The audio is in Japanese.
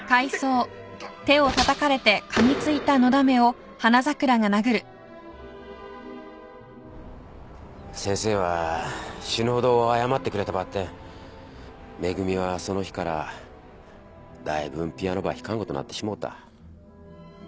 痛い先生は死ぬほど謝ってくれたばってん恵はその日から大分ピアノば弾かんごとなってしもうた。